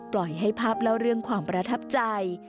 ปล่อยให้ภาพเล่าเรื่องความประทับใจ